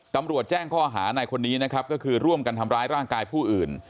ตำรวจแจ้งข้อหาในคนนี้นะครับก็คือร่วมกันทำร้ายร่างกายผู้อื่น